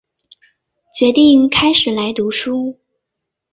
决定开始来读书